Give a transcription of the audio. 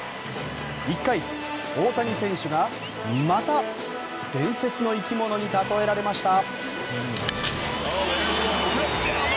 １回、大谷選手がまた伝説の生き物にたとえられました。